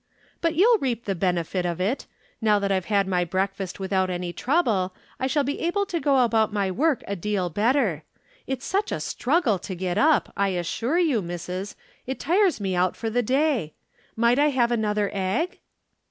'But you'll reap the benefit of it. Now that I've had my breakfast without any trouble I shall be able to go about my work a deal better. It's such a struggle to get up, I assure you, missus, it tires me out for the day. Might I have another egg?'